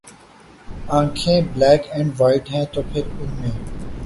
آنکھیں ’ black and white ‘ ہیں تو پھر ان میں